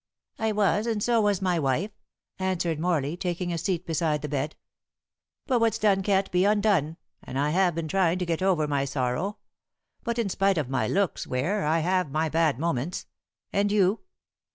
"I was, and so was my wife," answered Morley, taking a seat beside the bed. "But what's done can't be undone, and I have been trying to get over my sorrow. But in spite of my looks, Ware, I have my bad moments. And you?"